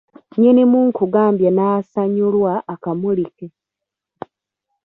Nnyinimu nkugambye n’asanyulwa akamuli ke.